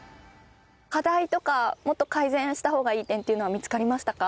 課題とかもっと改善した方がいい点っていうのは見付かりましたか？